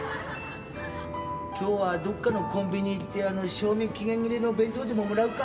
今日はどっかのコンビニ行って賞味期限切れの弁当でももらうか？